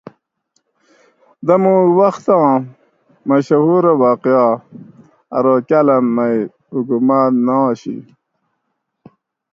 دموک وختاں مشھور واقعہ ارو کالام میٔ حکوماۤت نہ آشی